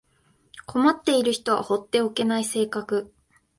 困っている人は放っておけない性格